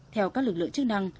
theo các lực lượng chức năng